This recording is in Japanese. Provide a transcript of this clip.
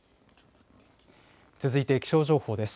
続いて気象情報です。